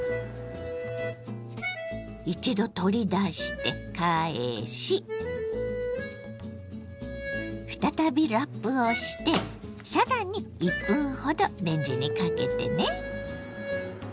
一度取り出して返し再びラップをして更に１分ほどレンジにかけてね。